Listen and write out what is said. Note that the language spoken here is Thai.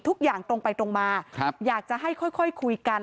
ทุกอย่างตรงไปตรงมาอยากจะให้ค่อยคุยกัน